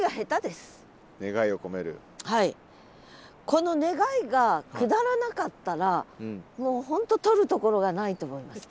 この願いがくだらなかったらもう本当取るところがないと思います。